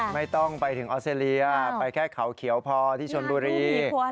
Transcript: ไม่ต้องไปถึงออสเตรเลียไปแค่เขาเขียวพอที่ชนบุรี